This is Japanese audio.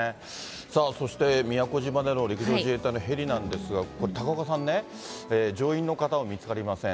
そして宮古島での陸上自衛隊のヘリなんですが、高岡さんね、乗員の方も見つかりません。